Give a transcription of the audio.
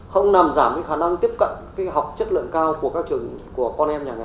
không nằm giảm khả năng tiếp cận học chất lượng cao của các trường của con em nhà nhà